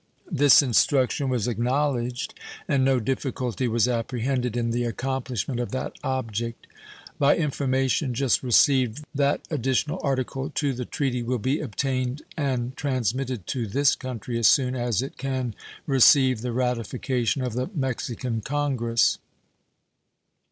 This instruction was acknowledged, and no difficulty was apprehended in the accomplishment of that object. By information just received that additional article to the treaty will be obtained and transmitted to this country as soon as it can receive the ratification of the Mexican Congress.